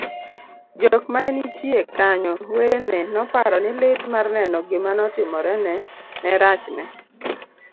jok manenitiyie kanyo, wedene noparo ni lit mar neno gima notimorene nerachne